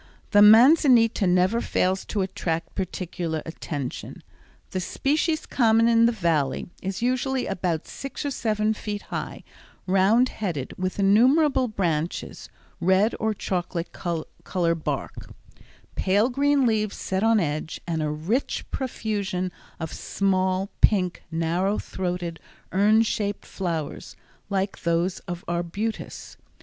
The manzanita never fails to attract particular attention. The species common in the Valley is usually about six or seven feet high, round headed with innumerable branches, red or chocolate color bark, pale green leaves set on edge, and a rich profusion of small, pink, narrow throated, urn shaped flowers, like those of arbutus.